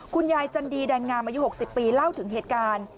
จันดีแดงงามอายุ๖๐ปีเล่าถึงเหตุการณ์